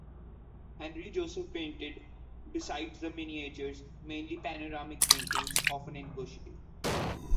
Henri-Joseph painted, besides the miniatures, mainly Panoramic paintings, often in gouache.